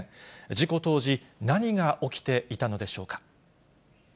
事故当時、何が起きていたのでしょうか。